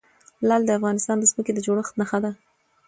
لعل د افغانستان د ځمکې د جوړښت نښه ده.